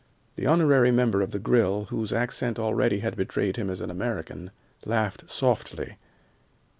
The honorary member of the Grill, whose accent already had betrayed him as an American, laughed softly.